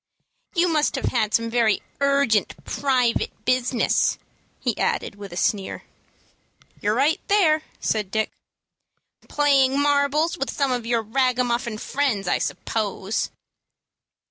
"You must have had some very urgent private business," he added, with a sneer. "You're right, there," said Dick. "Playing marbles with some of your ragamuffin friends, I suppose."